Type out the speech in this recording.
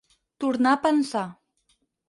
Tornar a pensar.